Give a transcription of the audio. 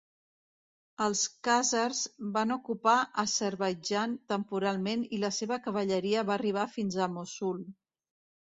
Els khàzars van ocupar Azerbaidjan temporalment i la seva cavalleria va arribar fins a Mossul.